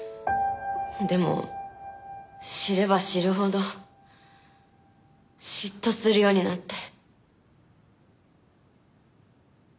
でも知れば知るほど嫉妬するようになって。